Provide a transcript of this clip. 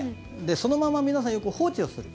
そのまま皆さんよく放置をする。